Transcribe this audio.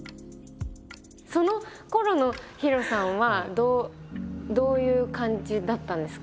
そのころのヒロさんはどういう感じだったんですか？